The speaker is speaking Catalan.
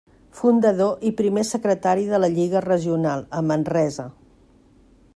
Fundador i primer secretari de la Lliga Regional, a Manresa.